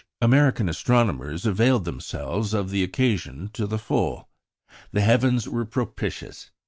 American astronomers availed themselves of the occasion to the full. The heavens were propitious.